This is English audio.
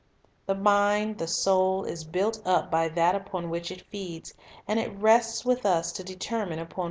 The mind, the soul, is built up by that upon which it feeds; and it rests with us to determine upon what it 1 I Cor.